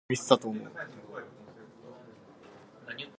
It is quite a common snake but is rarely seen.